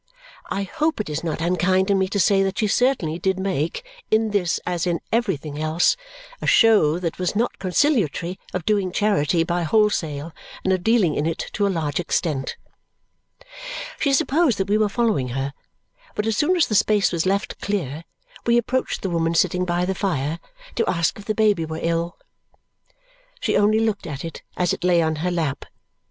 I hope it is not unkind in me to say that she certainly did make, in this as in everything else, a show that was not conciliatory of doing charity by wholesale and of dealing in it to a large extent. She supposed that we were following her, but as soon as the space was left clear, we approached the woman sitting by the fire to ask if the baby were ill. She only looked at it as it lay on her lap.